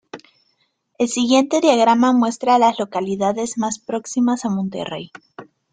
El siguiente diagrama muestra a las localidades más próximas a Monterey.